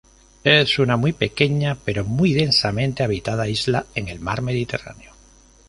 Es una muy pequeña pero muy densamente habitada isla en el mar mediterráneo.